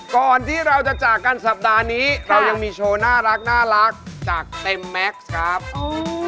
ก่อนที่เราจะจากกันสัปดาห์นี้เรายังมีโชว์น่ารักจากเต็มแม็กซ์ครับโอ้